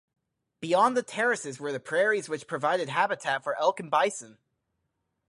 Beyond the terraces were the prairies which provided habitat for elk and bison.